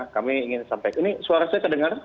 kami ingin sampaikan ini suara saya terdengar